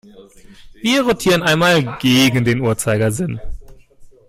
Wir rotieren einmal gegen den Uhrzeigersinn.